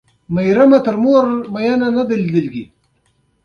په ټولنه کې معتدل ماحول څرنګه جوړ کړو.